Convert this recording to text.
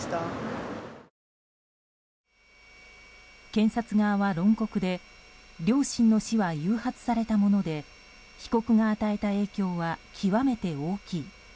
検察側は論告で両親の死は誘発されたもので被告が与えた影響は極めて大きい。